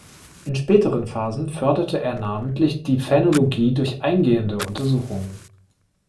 In späteren Phasen förderte er namentlich die Phänologie durch eingehende Untersuchungen.